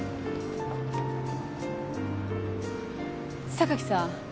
榊さん